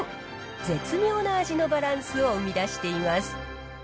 絶妙な味のバランスを生み出しています。